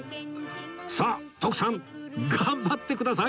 さあ徳さん頑張ってください！